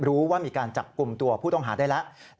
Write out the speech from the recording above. รู้ว่ามีการจับกลุ่มตัวผู้ต้องหาได้แล้ว